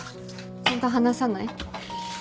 ちゃんと話さない？